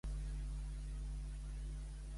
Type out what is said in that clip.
On era Lecto abans?